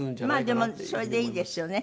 まあでもそれでいいですよね。